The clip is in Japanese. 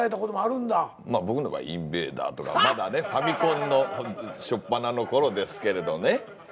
僕の場合インベーダーとかまだねファミコンの初っぱなのころですけれどね。